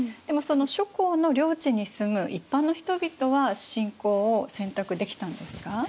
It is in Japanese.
でもその諸侯の領地に住む一般の人々は信仰を選択できたんですか？